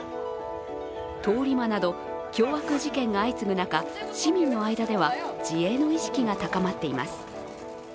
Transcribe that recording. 通り魔など凶悪事件が相次ぐ中、市民の間では自衛の意識が高まっています。